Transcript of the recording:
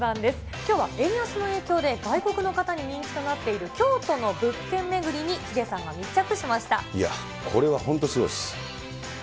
きょうは円安の影響で、外国の方に人気となっている京都の物件巡りに、ヒデさんが密着しいや、これは本当、すごいです。